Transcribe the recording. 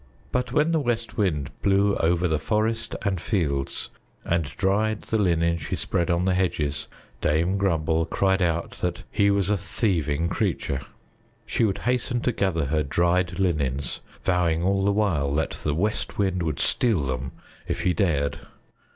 But when the West Wind blew over the forest and fields and dried the linen she spread on the hedges, Dame Grumble cried out that he was a thieving creature. She would hasten to gather her dried linens, vowing all the while that the West Wind would steal them if he dared.